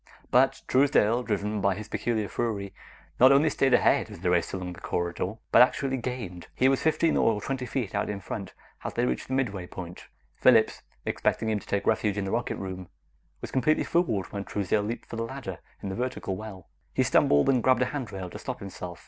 But Truesdale, driven by his peculiar fury, not only stayed ahead as they raced along the corridor, but actually gained. He was fifteen or twenty feet out in front as they reached the midway point. Phillips, expecting him to take refuge in the rocket room, was completely fooled when Truesdale leaped for the ladder in the vertical well. He stumbled, and grabbed a handrail to stop himself.